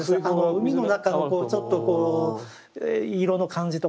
海の中のちょっとこう色の感じとかですね